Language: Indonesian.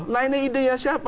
nah ini ide siapa